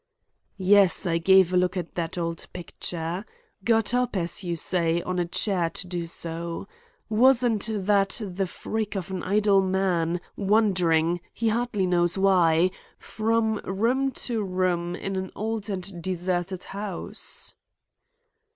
"Yes, I gave a look at that old picture; got up, as you say, on a chair to do so. Wasn't that the freak of an idle man, wandering, he hardly knows why, from room to room in an old and deserted house?"